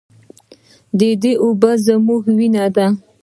د دې اوبه زموږ وینه ده؟